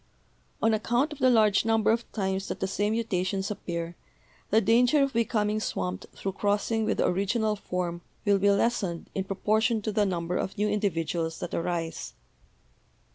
On account of the large number of times that the same mutations appear, the danger of becoming swamped through crossing with the original form will be lessened in proportion to the number of new individuals that arise.